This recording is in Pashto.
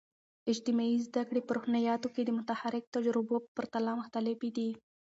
اجتماعي زده کړې په روحانيات کې د متحرک تجربو په پرتله مختلفې دي.